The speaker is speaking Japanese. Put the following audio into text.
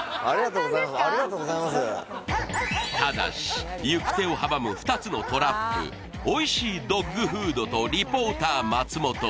ありがとうございますただし行く手を阻む２つのトラップおいしいドッグフードとリポーター松元